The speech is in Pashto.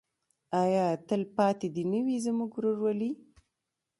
آیا تلپاتې دې نه وي زموږ ورورولي؟